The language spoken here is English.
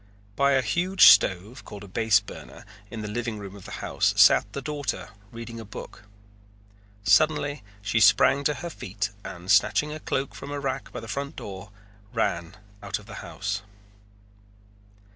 By a huge stove, called a base burner, in the living room of the house sat the daughter reading a book. Suddenly she sprang to her feet and, snatching a cloak from a rack by the front door, ran out of the house.